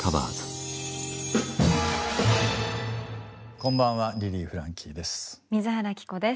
こんばんはリリー・フランキーです。